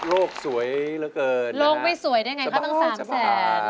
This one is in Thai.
โลกไม่สวยได้ไงคะตั้ง๓แสน